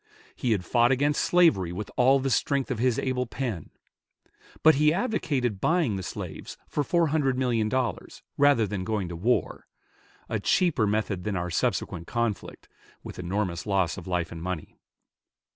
He had fought against slavery with all the strength of his able pen; but he advocated buying the slaves for four hundred million dollars rather than going to war, a cheaper method than our subsequent conflict, with enormous loss of life and money.